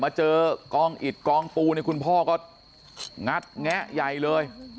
มาเจอกองอิดกองปูเนี่ยคุณพ่อก็งัดแงะใหญ่เลย